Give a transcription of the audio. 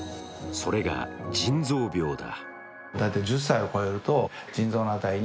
それが腎臓病だ。